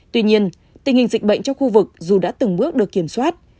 tuy nhiên tình hình dịch bệnh trong khu vực dù đã từng bước được kiểm soát